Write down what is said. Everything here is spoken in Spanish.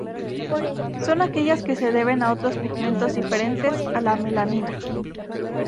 Son aquellas que se deben a otros pigmentos diferentes a la melanina.